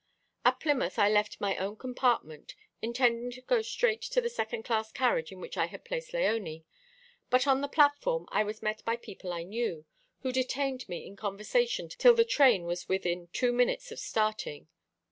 "At Plymouth I left my own compartment, intending to go straight to the second class carriage in which I had placed Léonie: but on the platform I was met by people I knew, who detained me in conversation till the train was within two minutes of starting.